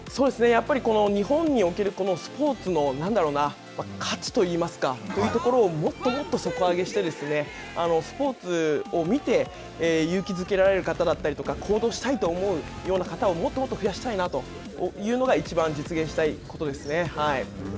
やっぱり日本におけるスポーツの価値といいますか、というところをもっともっと底上げして、スポーツを見て、勇気づけられる方だったりとか、行動したいと思うような方をもっともっと増やしたいなというのが、いちばん実現したいことですね。